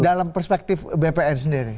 dalam perspektif bpr sendiri